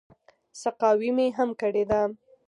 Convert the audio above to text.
سقاوي مې هم کړې ده.